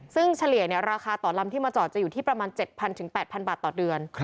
ซึ่งเฉลี่ยราคาต่อลำที่มาจอดจะอยู่ที่ประมาณ๗๐๐๘๐๐บาทต่อเดือน